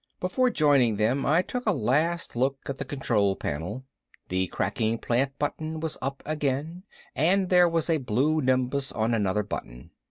Before joining them I took a last look at the control panel. The cracking plant button was up again and there was a blue nimbus on another button.